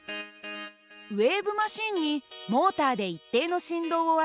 ウエーブマシンにモーターで一定の振動を与え